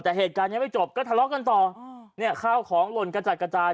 แต่เหตุการณ์ยังไม่จบก็ทะเลาะกันต่อเนี่ยข้าวของหล่นกระจัดกระจาย